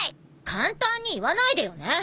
簡単に言わないでよね。